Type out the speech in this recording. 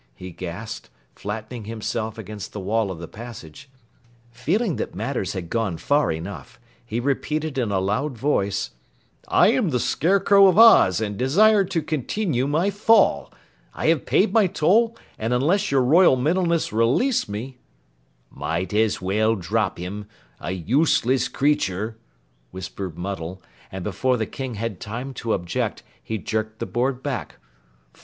he gasped, flattening himself against the wall of the passage. Feeling that matters had gone far enough, he repeated in a loud voice: "I am the Scarecrow of Oz and desire to continue my fall. I have paid my toll and unless your Royal Middleness release me " "Might as well drop him a useless creature!" whispered Muddle, and before the King had time to object, he jerked the board back.